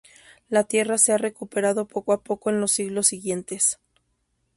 La tierra se ha recuperado poco a poco en los siglos siguientes.